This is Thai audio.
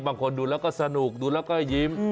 บางคนดูแล้วก็สนุกดูแล้วก็ยิ้ม